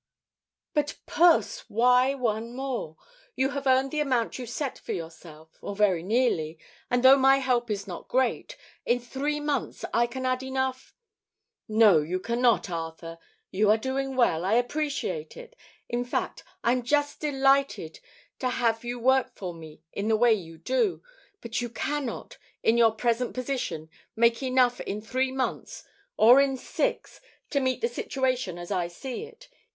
"But, Puss, why one more? You have earned the amount you set for yourself, or very nearly, and though my help is not great, in three months I can add enough " "No, you cannot, Arthur. You are doing well; I appreciate it; in fact, I am just delighted to have you work for me in the way you do, but you cannot, in your present position, make enough in three months, or in six, to meet the situation as I see it.